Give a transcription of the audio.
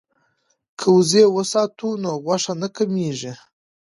که وزې وساتو نو غوښه نه کمیږي.